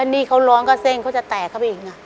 ก็นี่เขาร้องก็ซ่นก็จะแตกเขาอีกอ่ะ